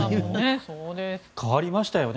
変わりましたよね。